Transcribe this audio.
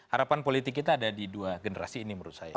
harapan politik kita ada di dua generasi ini menurut saya